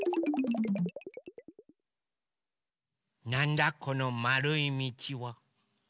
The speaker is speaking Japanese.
なんだこのまるいみちは？